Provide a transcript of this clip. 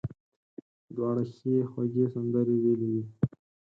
دواړو ښې خوږې سندرې ویلې وې.